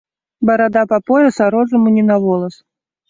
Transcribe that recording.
Барада па пояс, а розуму ні на волас